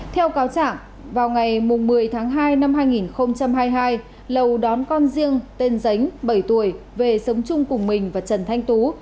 theo cáo trạng vào ngày một mươi tháng hai năm hai nghìn hai mươi hai lầu đón con riêng tên ránh bảy tuổi về sống chung cùng mình và trần thanh tú